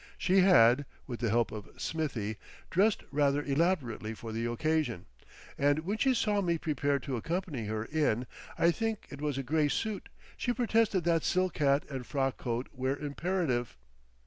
She had, with the help of Smithie, dressed rather elaborately for the occasion, and when she saw me prepared to accompany her in, I think it was a grey suit, she protested that silk hat and frock coat were imperative.